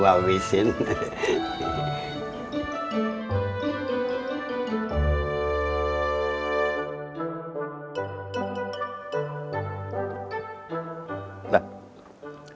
gua mau ke tempat yang lebih baik